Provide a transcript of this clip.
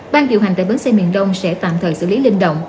ban điều hành tại bến xe miền đông sẽ tạm thời xử lý linh động